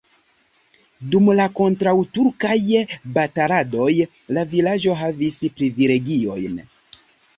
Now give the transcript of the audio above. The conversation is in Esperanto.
Dum la kontraŭturkaj bataladoj la vilaĝo havis privilegiojn.